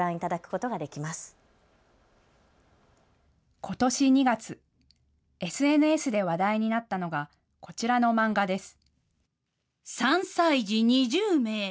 ことし２月、ＳＮＳで話題になったのがこちらの漫画です。